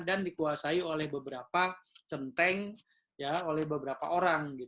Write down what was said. dan dikuasai oleh beberapa centeng oleh beberapa orang